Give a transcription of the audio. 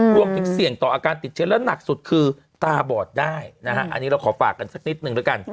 เสี่ยงต่ออาการติดเชื้อและหนักสุดคือตาบอดได้นะฮะอันนี้เราขอฝากกันสักนิดนึงด้วยกัน